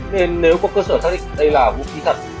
nên nếu có cơ sở xác định đây là vũ khí thật